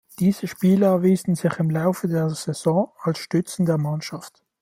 Diese Spieler erwiesen sich im Laufe der Saison als Stützen der Mannschaft.